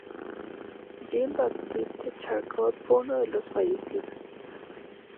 Jean-Baptiste Charcot fue uno de los fallecidos.